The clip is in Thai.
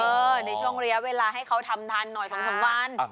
เออในช่วงเรียะเวลาให้เขาทำทันหน่อยของสองวันอ่ะ